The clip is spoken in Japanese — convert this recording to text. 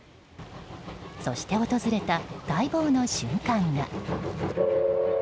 そして訪れた、待望の瞬間が。